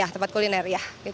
ya tempat kuliner